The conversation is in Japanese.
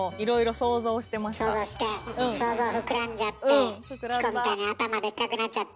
想像して想像膨らんじゃってチコみたいに頭でっかくなっちゃって。